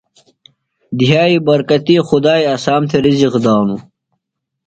دھئی برکتیۡ خدائی اسام تھےۡ رزق دانوۡ۔